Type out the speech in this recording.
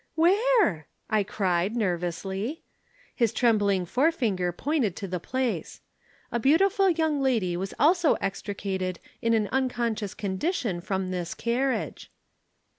"'Where?' I cried, nervously. His trembling forefinger pointed to the place. 'A beautiful young lady was also extricated in an unconscious condition from this carriage.'